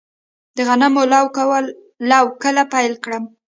د غنمو لو کله پیل کړم؟